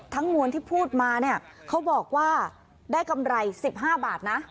มวลที่พูดมาเนี่ยเขาบอกว่าได้กำไร๑๕บาทนะ